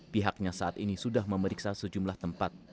pihaknya saat ini sudah memeriksa sejumlah tempat